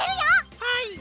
はい！